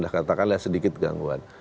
anda katakanlah sedikit gangguan